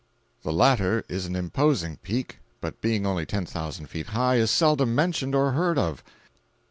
The latter is an imposing peak, but being only ten thousand feet high is seldom mentioned or heard of.